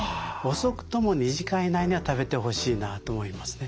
遅くとも２時間以内には食べてほしいなと思いますね。